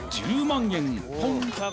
３０万円